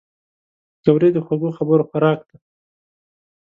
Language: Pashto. پکورې د خوږو خبرو خوراک دي